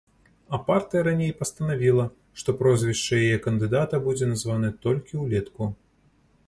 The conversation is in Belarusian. А партыя раней пастанавіла, што прозвішча яе кандыдата будзе названае толькі ўлетку.